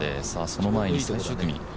その前に最終組。